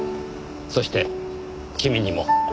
そして君にも。